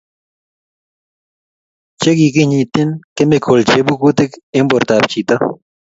che kikinyitin kemikali cheibu kutik eng bortap chito